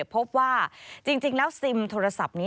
พบว่าจริงแล้วซิมโทรศัพท์นี้